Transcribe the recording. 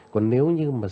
còn nếu như mà